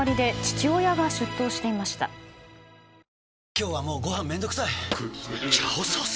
今日はもうご飯めんどくさい「炒ソース」！？